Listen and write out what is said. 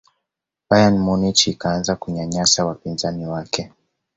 bayern munich ikaanza kunyanyasa wapinzani wake